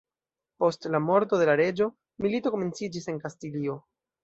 Post la morto de la reĝo, milito komenciĝis en Kastilio.